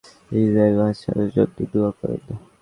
ইসরাঈল বাদশাহর জন্যে দুআ করেন।